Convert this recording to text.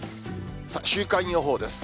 週間予報です。